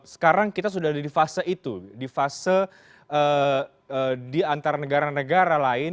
sekarang kita sudah ada di fase itu di fase di antara negara negara lain